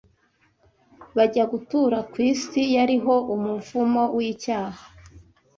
bajya gutura ku isi yariho umuvumo w’icyaha.